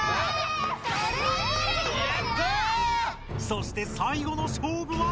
そして最後の勝負は！？